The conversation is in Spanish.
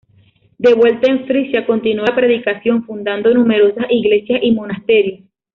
De vuelta en Frisia, continuó la predicación, fundando numerosas iglesias y monasterios.